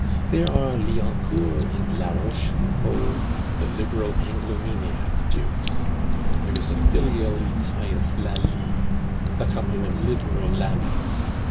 There are Liancourt and La Rochefoucault, the liberal Anglo maniac Dukes. There is a filially pious Lally; a couple of liberal Lameths.